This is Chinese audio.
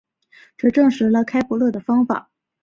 这证实了开普勒的方法。